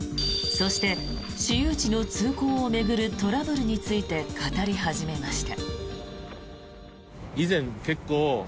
そして、私有地の通行を巡るトラブルについて語り始めました。